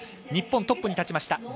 日本、トップに立ちました。